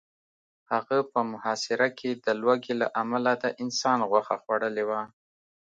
هغه په محاصره کې د لوږې له امله د انسان غوښه خوړلې وه